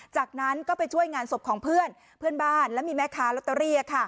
จากนั้นก็ไปช่วยงานสบของเพื่อนแล้วมีแม็กคาร์ลอตเตอรี่